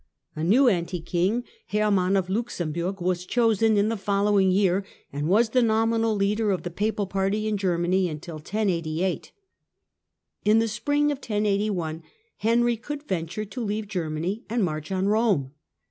A new anti king, Hermann of Luxemburg, was chosen in the following year, and was the nominal leader of the papal party in Germany until 1088. In the spring of 1081 Henry could venture to leave Germany and march on Eome.